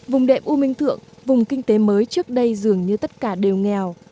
vùng đệm u minh thượng vùng kinh tế mới trước đây dường như tất cả đều nghèo